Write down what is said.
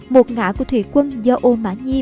một ngã của thủy quân do ô mã nhi